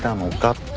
って。